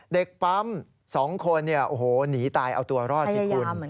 เด็กปั๊ม๒คนหนีตายเอาตัวรอดสิคุณ